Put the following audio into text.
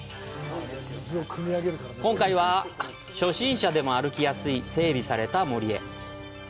今回は、初心者でも歩きやすい整備された森へ。